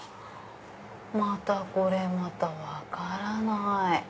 またこれ分からない。